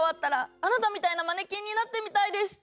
あなたみたいなマネキンになってみたいです。